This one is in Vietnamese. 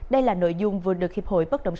đây là nội dung vừa được hiệp hội bất đồng tư